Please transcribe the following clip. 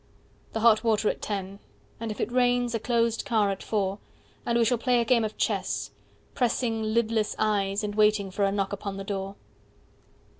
The hot water at ten. 135 And if it rains, a closed car at four. And we shall play a game of chess, Pressing lidless eyes and waiting for a knock upon the door.